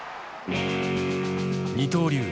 二刀流